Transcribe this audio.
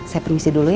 saya permisi dulu ya